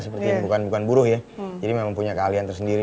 seperti bukan buruh ya jadi memang punya keahlian tersendiri